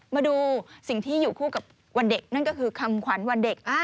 มาดูสิ่งที่อยู่คู่กับวันเด็กนั่นก็คือคำขวัญวันเด็ก